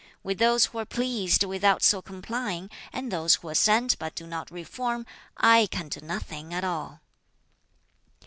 With those who are pleased without so complying, and those who assent but do not reform, I can do nothing at all.